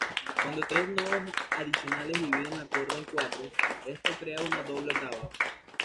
Cuando tres nodos adicionales dividen la cuerda en cuartos, esto crea una doble octava.